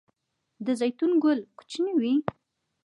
د زیتون ګل کوچنی وي؟